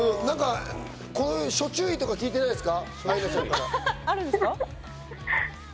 諸注意とか聞いてないですか？